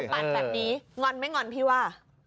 มือปั่นแบบนี้งอนไหมงอนพี่ว่า